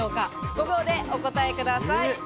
５秒でお答えください。